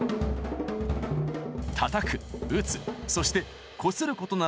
たたく打つそしてこすることなら何でも！